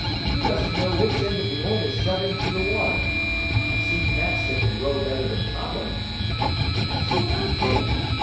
"He doesn't know which end of the oar to shove into the water. I've seen cats that could row better than Tomlin." "That's what I told him.